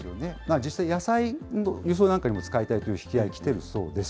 実際、野菜の輸送なんかにも使いたいという引き合い、来ているそうです。